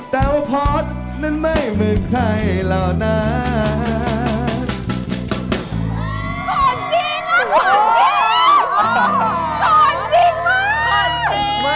เตาพอร์ตนั้นไม่เหมือนใครเหล่านั้น